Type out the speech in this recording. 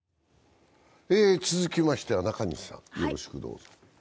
続きましては中西さん、よろしくどうぞ。